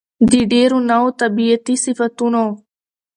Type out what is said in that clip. د ډېرو نوو طبيعتي صفتونو